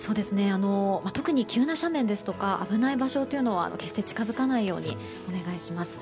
特に急な斜面ですとか危ない場所には決して近づかないようにお願いします。